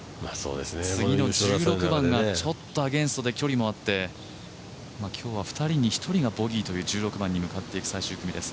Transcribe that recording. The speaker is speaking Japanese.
次の１６番がちょっとアゲンストで距離もあって、今日は２人に１人がボギーという１６番に向かっていく最終組です。